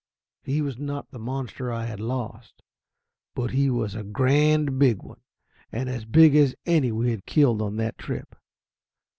He was not the monster I had lost, but he was a grand big one; as big as any we had killed on that trip.